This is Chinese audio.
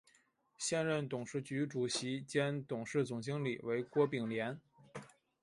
现任董事局主席兼董事总经理为郭炳联。